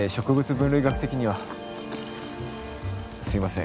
分類学的にはすいません